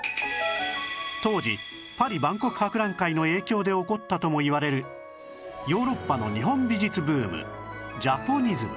当時パリ万国博覧会の影響で起こったともいわれるヨーロッパの日本美術ブームジャポニズム